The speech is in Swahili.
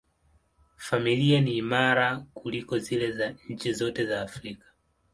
Familia ni imara kuliko zile za nchi zote za Afrika.